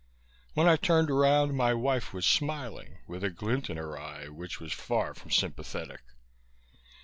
When I turned around, my wife was smiling, with a glint in her eye which was far from sympathetic.